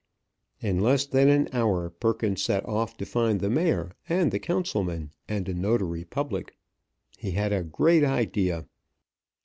In less than an hour Perkins set off to find the mayor and the councilmen and a notary public. He had a great idea.